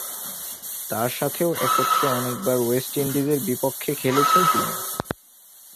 তার সাথেও একত্রে অনেকবার ওয়েস্ট ইন্ডিজের পক্ষে খেলেছেন তিনি।